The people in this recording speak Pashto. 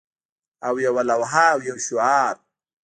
او یوه لوحه او یو شعار